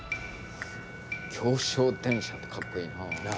行商電車ってかっこいいな。